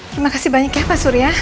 terima kasih banyak ya pak surya